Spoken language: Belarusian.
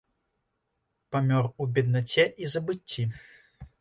Памёр у беднаце і забыцці.